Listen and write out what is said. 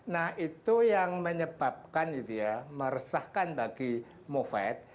nah itu yang menyebabkan itu ya meresahkan bagi movid